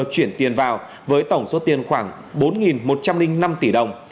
chuyển tiền vào với tổng số tiền khoảng bốn một trăm linh năm tỷ đồng